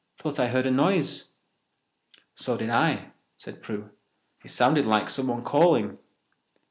Thought I heard a noise." "So did I," said Prue. "I sounded like someone calling."